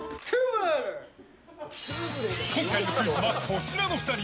今回のクイズはこちらの２人。